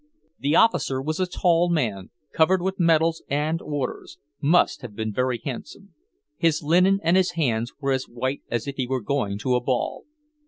The officer was a tall man, covered with medals and orders; must have been very handsome. His linen and his hands were as white as if he were going to a ball.